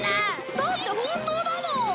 だって本当だもん！